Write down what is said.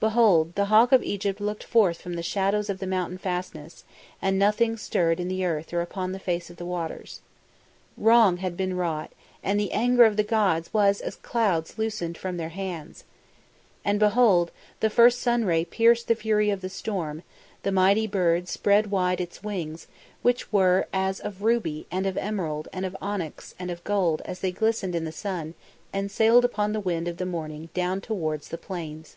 "Behold, the Hawk of Egypt looked forth from the shadows of the mountain fastness, and nothing stirred in the earth or upon the face of the waters. "Wrong had been wrought and the anger of the gods was as clouds loosened from their hands. "And behold, as the first sun ray pierced the fury of the storm, the mighty bird spread wide its wings, which were as of ruby and of emerald and of onyx and of gold as they glistened in the sun, and sailed upon the wind of the morning down towards the plains.